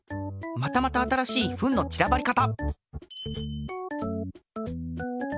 またまた新しいフンのちらばり方！